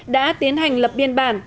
đã tiến hành lập biên bản